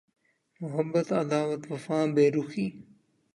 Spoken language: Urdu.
Muhabbat Adawat Wafa Berukhi